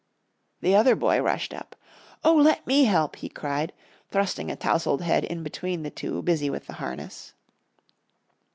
The other boy rushed up. "Oh, let me help!" he cried, thrusting a tousled head in between the two busy with the harness.